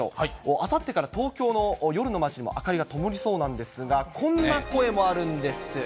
あさってから東京の夜の街にも明かりがともりそうなんですが、こんな声もあるんです。